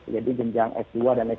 jadi pinjang s dua dan s tiga